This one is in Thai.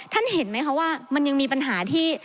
เห็นไหมคะว่ามันยังมีปัญหาที่